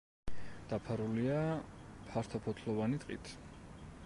დაფარულია ფართოფოთლოვანი ტყით.